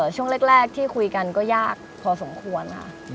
ช่วงแรกที่คุยกันก็ยากพอสมควรค่ะ